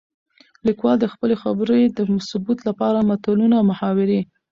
ليکوال د خپلې خبرې د ثبوت لپاره متلونه ،محاورې